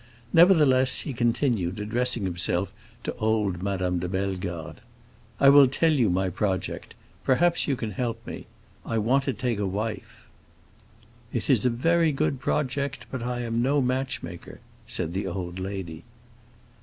Nevertheless he continued, addressing himself to old Madame de Bellegarde, "I will tell you my project; perhaps you can help me. I want to take a wife." "It is a very good project, but I am no matchmaker," said the old lady.